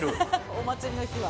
お祭りの日は。